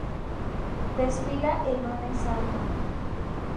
Desfila el Lunes Santo.